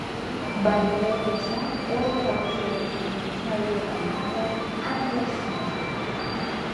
By their nature, all county roads in Ontario are numbered, unless noted.